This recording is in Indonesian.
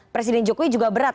presiden jokowi juga berat